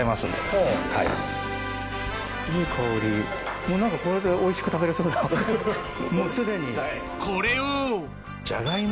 いい香りもう何かこれでおいしく食べれそうなすでに。